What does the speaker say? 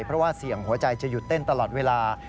เพราะว่าเสี่ยงหัวใจจะหยุดเต้นตลอดเวลา